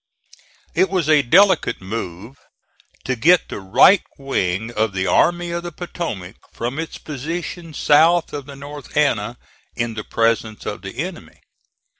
It was a delicate move to get the right wing of the Army of the Potomac from its position south of the North Anna in the presence of the enemy.